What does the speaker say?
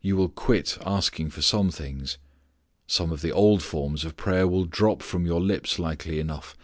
You will quit asking for some things. Some of the old forms of prayer will drop from your lips likely enough.